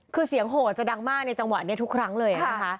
คือเสียงโหดจะดังมากในจังหวะนี้ทุกครั้งเลยนะคะ